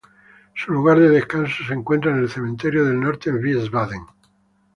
Su lugar de descanso se encuentra en el Cementerio del Norte en Wiesbaden.